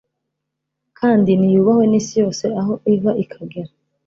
kandi niyubahwe n’isi yose aho iva ikagera